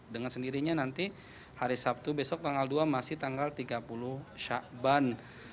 dengan sendirinya nanti hari sabtu besok tanggal dua masih tanggal tiga puluh syakban